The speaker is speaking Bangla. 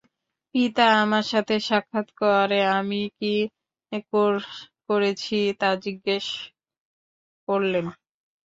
পিতা আমার সাথে সাক্ষাৎ করে আমি কী করেছি তা জিজ্ঞেস করলেন।